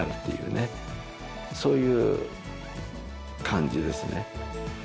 そういう感じですね。